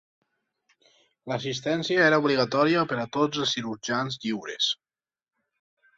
L'assistència era obligatòria per a tots els cirurgians "lliures".